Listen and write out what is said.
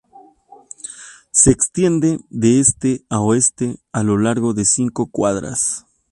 Se extiende de este a oeste a lo largo de cinco cuadras.